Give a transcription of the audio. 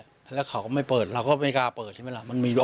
เครื่องก็ไม่เปิดแล้วก็ไม่กลัวเปิดนิดหนึ่งอยู่ไหมละ